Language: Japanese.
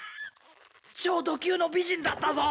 超ド級の美人だったぞ。